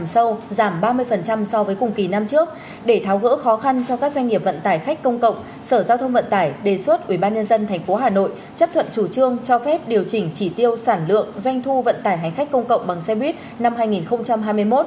sở giao thông vận tải hà nội vừa đề xuất ủy ban nhân dân thành phố hà nội cho phép điều chỉnh chỉ tiêu sản lượng và doanh thu vận tải khách công cộng bằng xe buýt năm hai nghìn hai mươi một